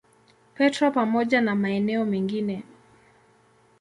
Petro pamoja na maeneo mengine.